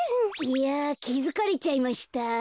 いやきづかれちゃいました？